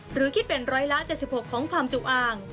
หรือคิดเป็นร้อยละ๗๖ของความจุอ่าง